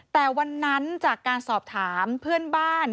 แต่วันนั้นจากการสอบถามเพื่อนบ้าน